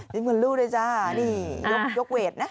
วิ่งบนรู้ด้วยจ้านี่ยกเวทนะ